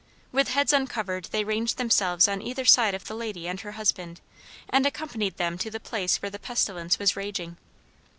With heads uncovered they ranged themselves on either side of the lady and her husband, and accompanied them to the place where the pestilence was raging.